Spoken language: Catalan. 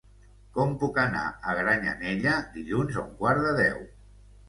Com puc anar a Granyanella dilluns a un quart de deu?